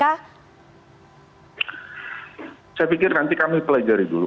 saya pikir nanti kami pelajari dulu